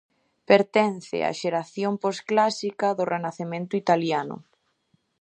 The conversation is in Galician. Pertence á xeración posclásica do Renacemento italiano.